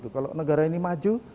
kalau negara ini maju